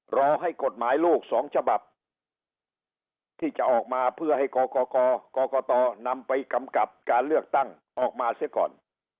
รอให้กฎหมายโลกสองฉบับที่จะออกมาเพื่อให้ก่อก่อก่อก่อก่อก่อตอนำไปกำกลับการเลือกตั้งออกมาเสียก่อน